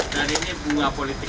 dan ini bunga politik